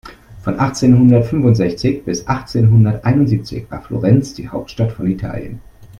Von achtzehnhundertfünfundsechzig bis achtzehnhunderteinundsiebzig war Florenz die Hauptstadt von Italien.